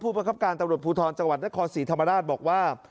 ผู้บังคับการณ์ตำรวจภูทรจังหวัดนศรีธรรมดาสบอกว่า